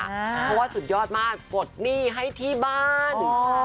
เพราะว่าสุดยอดมากปลดหนี้ให้ที่บ้าน